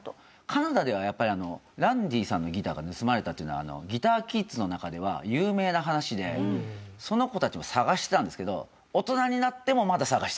カナダではやっぱりランディさんのギターが盗まれたというのはギターキッズの中では有名な話でその子たちも探してたんですけど大人になってもまだ探してたんですよ。